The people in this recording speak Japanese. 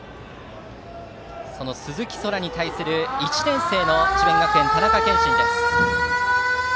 その鈴木昊に対する１年生の智弁学園、田中謙心。